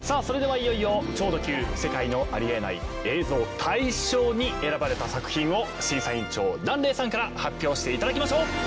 それではいよいよ超ド級世界のありえない映像大賞に選ばれた作品を審査委員長檀れいさんから発表していただきましょう。